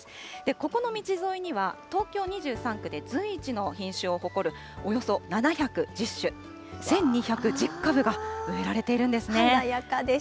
ここの道沿いには、東京２３区で随一の品種を誇るおよそ７１０種、１２１０株が植えられているんですね。